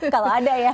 kalau ada ya